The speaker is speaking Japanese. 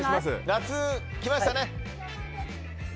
夏が来ましたね。